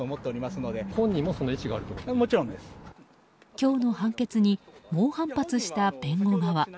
今日の判決に猛反発した弁護側。